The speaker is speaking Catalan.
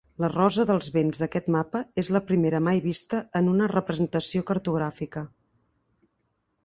La rosa dels vents d'aquest mapa és la primera mai vista en una representació cartogràfica.